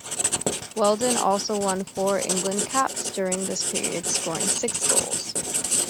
Wheldon also won four England caps during this period, scoring six goals.